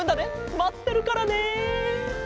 まってるからね。